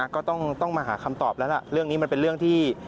ก็ต้องมาหาคำตอบแล้วล่ะเรื่องนี้มันเป็นเรื่องที่